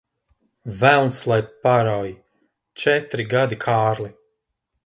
Velns lai parauj! Četri gadi, Kārli.